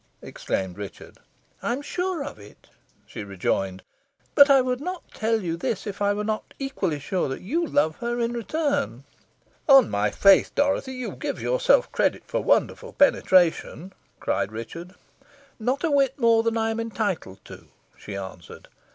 exclaimed Richard. "I am sure of it," she rejoined. "But I would not tell you this, if I were not quite equally sure that you love her in return." "On my faith, Dorothy, you give yourself credit for wonderful penetration," cried Richard. "Not a whit more than I am entitled to," she answered.